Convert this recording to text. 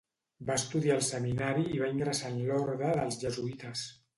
Va estudiar al seminari i va ingressar en l'Orde dels Jesuïtes.